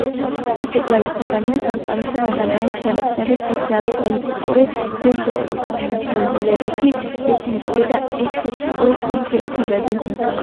მისი კვლევის საგანია სამყაროსთან ადამიანის შემეცნებითი, სოციალურ-პოლიტიკური, ღირებულებითი, ეთიკური და ესთეტიკური ურთიერთობები.